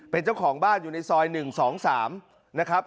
เป็นเจ้าของบ้านอยู่ในซอย๑๒๓นะครับ